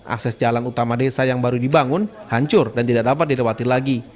akses jalan utama desa yang baru dibangun hancur dan tidak dapat dilewati lagi